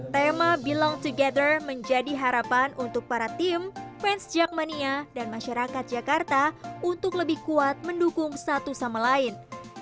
tema belong together menjadi harapan untuk para tim fans jackmania dan masyarakat jakarta untuk lebih kuat mendukung satu sama lain